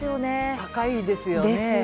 高いですよね。